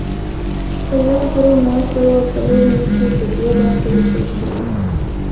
په یو زر نهه سوه څلور نوي کې په دوو برخو وېشل شو.